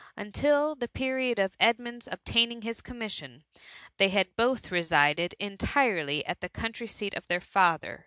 Until the period of Edmund's obtaining his commis sion, they had both resided entirely at the coun try seat of their father.